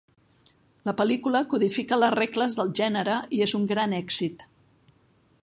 La pel·lícula codifica les regles del gènere i és un gran èxit.